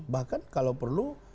bahkan kalau perlu